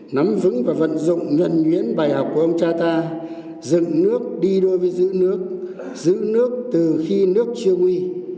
nắm vững và vận dụng nhuẩn nhuyễn bài học của ông cha ta dựng nước đi đôi với giữ nước giữ nước từ khi nước chưa nguy